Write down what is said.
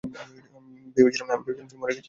আমি ভেবেছিলাম সে মরে গেছে।